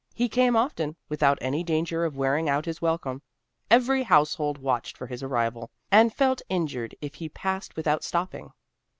He came often, without any danger of wearing out his welcome. Every household watched for his arrival, and felt injured if he passed without stopping.